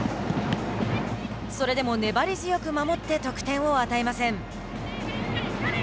それでも、粘り強く守って得点を与えません。